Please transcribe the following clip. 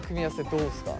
どうですか？